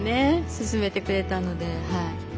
勧めてくれたのではい。